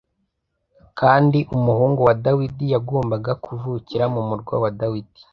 kandi umuhungu wa Dawidi yagombaga kuvukira mu murwa wa Dawidi